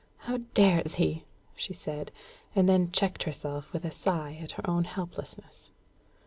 "How dares he?" she said, and then checked herself with a sigh at her own helplessness.